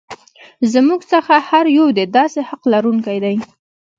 زموږ څخه هر یو د داسې حق لرونکی دی.